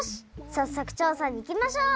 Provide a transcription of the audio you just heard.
さっそくちょうさにいきましょう！